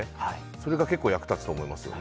それが結構役立つと思いますね。